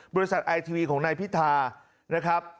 บริษัทไอทีวีของนายพิธานะครับ